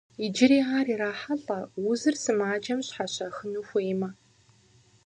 Иджыри ар ирахьэлӏэ узыр сымаджэм щхьэщахыну хуеймэ.